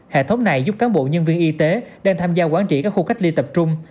hệ thống này giúp cán bộ nhân viên y tế đang tham gia quản trị các khu cách ly tập trung